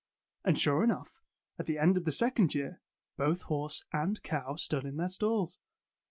And sure enough, at the end of the second year, both horse and cow stood in their stalls.